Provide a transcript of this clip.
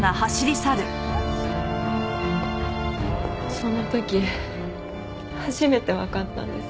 その時初めてわかったんです。